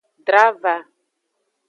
Drava.